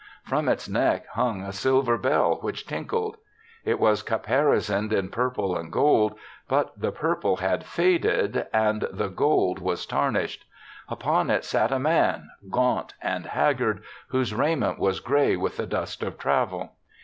From its neck hung a silver bell which tinkled. It was caparisoned in purple and gold; but the purple had faded and the gold was tar THE SEVENTH CHRISTMAS 51 nished. Upon it sat a man, gaunt and haggard, whose raiment was gray with the dust of travel.